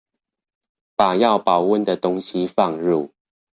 把要保溫的東西放入